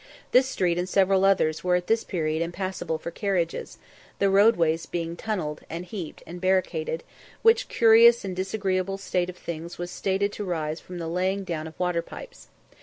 This street and several others were at this period impassable for carriages, the roadways being tunnelled, and heaped, and barricaded; which curious and highly disagreeable state of things was stated to arise from the laying down of water pipes.